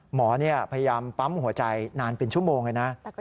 หมอพยายามปั๊มหัวใจนานเป็นชั่วโมงเลยนะ